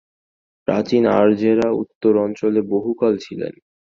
প্রাচীন আর্যেরা উত্তর অঞ্চলে বহুকাল ছিলেন।